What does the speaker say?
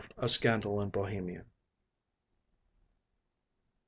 A SCANDAL IN BOHEMIA I.